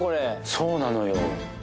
そうなのよ。